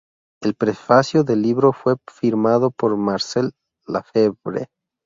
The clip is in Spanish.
El prefacio del libro fue firmado por Marcel Lefebvre.